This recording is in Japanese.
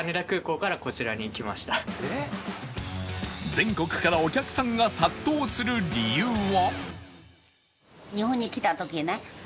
全国からお客さんが殺到する理由は